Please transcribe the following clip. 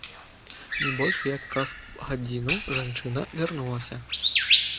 Не больш як праз гадзіну жанчына вярнулася.